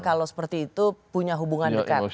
kalau seperti itu punya hubungan dekat